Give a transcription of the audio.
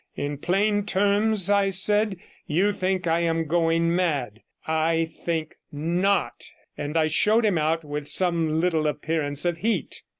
"In plain terms," I said, "you think I am going mad. I think not"; and I showed him out with some little appearance of heat.